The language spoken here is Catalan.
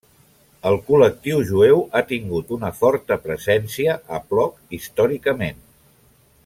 El col·lectiu jueu ha tingut una forta presència a Płock històricament.